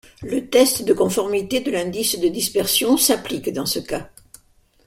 Le test de conformité de l'indice de dispersion s'applique dans ce cas.